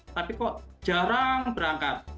tapi kok jarang berangkat